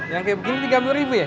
yang kayak begini tiga puluh ribu ya